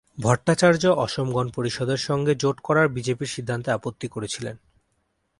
ভট্টাচার্য অসম গণ পরিষদের সঙ্গে জোট করার বিজেপির সিদ্ধান্তে আপত্তি করেছিলেন।